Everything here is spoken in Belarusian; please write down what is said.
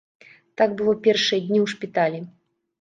Так было першыя дні ў шпіталі.